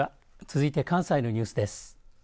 続いて関西のニュースです。